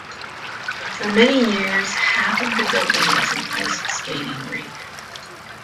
For many years, half of the building was an ice skating rink.